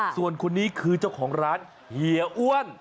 ส่วนคนนี้คือเจ้าของร้านเฮียอ้วน